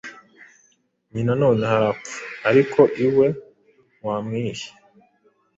Nyina noneho arapfa, ariko iwe wamwihe